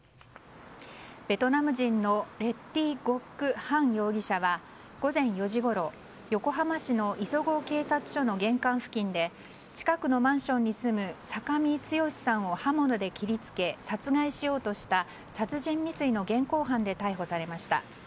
ベトナム人のレ・ティ・ゴック・ハン容疑者は午前４時ごろ横浜市の磯子警察署の玄関付近で近くのマンションに住む酒見剛さんを刃物で切り付け殺害しようとした殺人未遂の現行犯で逮捕されました。